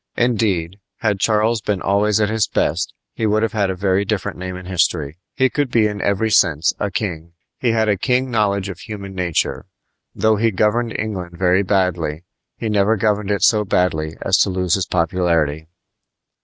Indeed, had Charles been always at his best he would have had a very different name in history. He could be in every sense a king. He had a keen knowledge of human nature. Though he governed England very badly, he never governed it so badly as to lose his popularity.